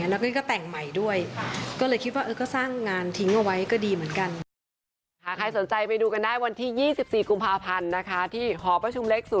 ได้มาใช้อีกช่องเสียงนึงซึ่งเป็นเรื่องที่เราชอบมาตั้งแต่เด็กอยู่แล้ว